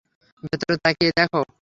ভেতরে তাকিয়ে দ্যাখো।